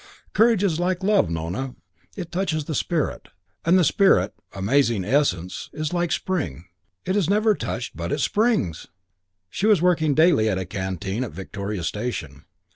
Courage is like love, Nona: it touches the spirit; and the spirit, amazing essence, is like a spring: it is never touched but it springs!" She was working daily at a canteen at Victoria station.